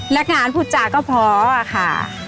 นักงานพูดจาก็พอค่ะ